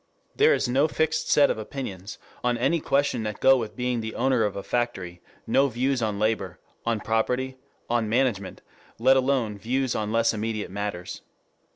There is no fixed set of opinions on any question that go with being the owner of a factory, no views on labor, on property, on management, let alone views on less immediate matters.